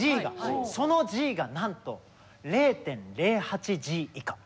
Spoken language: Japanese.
そのＧがなんと０．０８Ｇ以下。